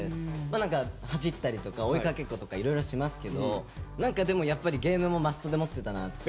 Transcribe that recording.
何か走ったりとか追いかけっことかいろいろしますけど何かでもやっぱりゲームもマストで持ってたなって感じがして。